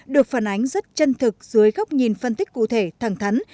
được phản ánh rất chân thực dưới góc nhìn phân tích cụ thể thẳng thắn